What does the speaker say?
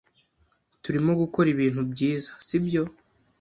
Turimo gukora ibintu byiza, sibyo?